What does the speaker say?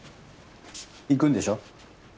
行くんでしょ？